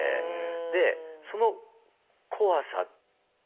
でその怖さ。